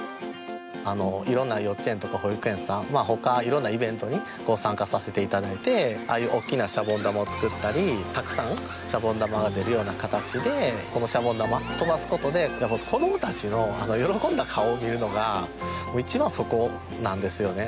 いろんな幼稚園とか保育園さんほかいろんなイベントに参加させていただいてああいうおっきなシャボン玉を作ったりたくさんシャボン玉が出るような形でこのシャボン玉飛ばすことで子供達の喜んだ顔を見るのが一番はそこなんですよね